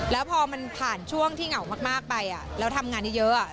แล้วพอมันผ่านช่วงที่เหงามากไปแล้วทำงานเยอะ